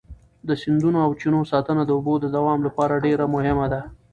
د سیندونو او چینو ساتنه د اوبو د دوام لپاره ډېره مهمه ده.